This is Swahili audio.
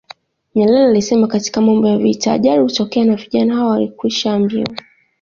Nyerere alisema katika mambo ya vita ajali hutokea na vijana hawa walikwishaambiwa